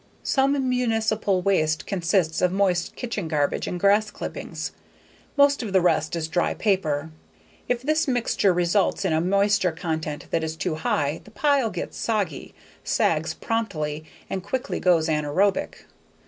Some municipal waste consists of moist kitchen garbage and grass clippings. Most of the rest is dry paper. If this mixture results in a moisture content that is too high the pile gets soggy, sags promptly, and easily goes anaerobic.